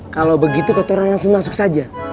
kalau begitu kita orang langsung masuk saja